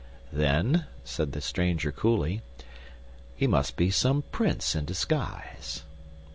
"Then," said the stranger coolly, "he must be some prince in disguise."